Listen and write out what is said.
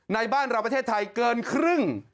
ในบ้านเราประเทศไทยเกินครึ่ง